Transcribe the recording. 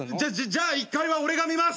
じゃあ１階は俺が見ます。